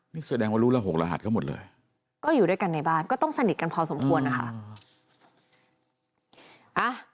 นี่แสดงว่ารู้ละหกรหัสเขาหมดเลยก็อยู่ด้วยกันในบ้านก็ต้องสนิทกันพอสมควรนะคะ